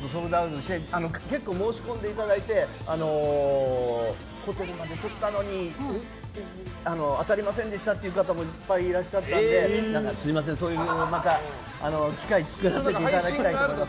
結構申し込んでいただいてホテルまでとったのに当たりませんでしたという方もいっぱいいらっしゃったのですみません、また機会を作らせていただきます。